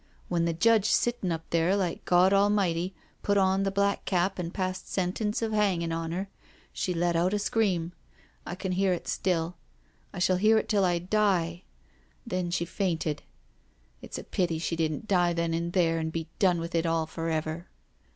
When the judge, sittin' up there like God Al mighty, put on the black cap and passed sentence of hanging on h^r, she let out a scream — I can hear it still— I shall hear it till I die— then she fainted. It's a pity she didn't die then and there^ and be done with it all for ever."